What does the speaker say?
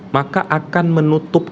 maka akan menutup